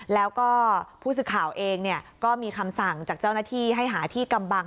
แล้วก็ผู้สื่อข่าวเองก็มีคำสั่งจากเจ้าหน้าที่ให้หาที่กำบัง